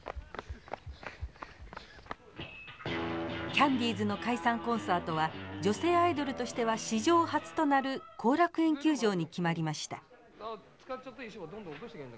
キャンディーズの解散コンサートは女性アイドルとしては史上初となる後楽園球場に決まりました。